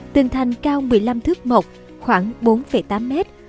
từng thành cao một mươi năm thước mộc khoảng bốn tám mét